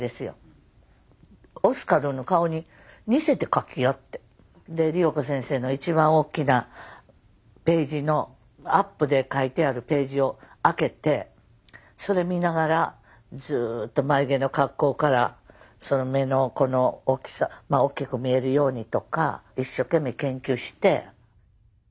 劇画の絵があるだけにで理代子先生の一番大きなページのアップで描いてあるページを開けてそれ見ながらずっと眉毛の格好から目の大きさ大きく見えるようにとか一生懸命研究して。